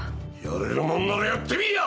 やれるもんならやってみいや！